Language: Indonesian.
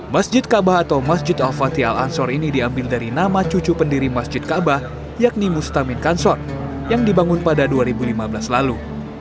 masjid kaabah atau masjid al fatih al ansor ini diambil dari nama cucu pendiri masjid kaabah yakni mustamin kansor yang dibangun pada dua ribu lima belas lalu